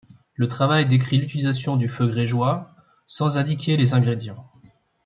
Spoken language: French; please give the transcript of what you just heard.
Le travail décrit l'utilisation du feu grégeois, sans indiquer les ingrédients.